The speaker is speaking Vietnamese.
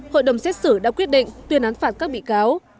hội đồng xét xử đã quyết định tuyên án phạt các bị cáo